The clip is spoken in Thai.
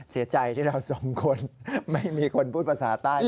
เสียใจที่เราสองคนไม่มีคนพูดภาษาใต้